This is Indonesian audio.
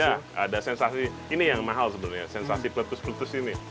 iya ada sensasi ini yang mahal sebenarnya sensasi meletus meletus ini